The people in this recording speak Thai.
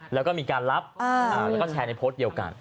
แล้วก็มีการรับแล้วก็แชร์ในโพสต์เดียวกัน